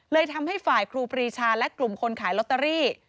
ทำให้ฝ่ายครูปรีชาและกลุ่มคนขายลอตเตอรี่